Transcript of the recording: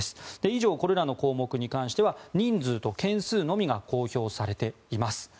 以上、これらの項目に関しては人数と件数のみが公表されています。